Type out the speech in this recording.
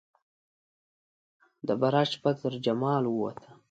د برات شپه ده ترجمال ووته